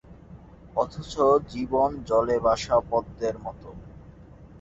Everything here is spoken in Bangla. অথচ জীবন জলে ভাসা পদ্মের মতো।